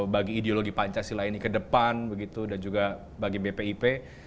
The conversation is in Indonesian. bagi ideologi pancasila ini ke depan begitu dan juga bagi bpip